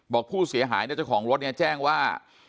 บอกผู้เสียหายเนี่ยเจ้าของรถเนี่ยแจ้งว่า